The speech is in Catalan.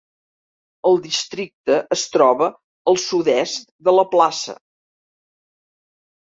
El districte es troba al sud-est de la plaça.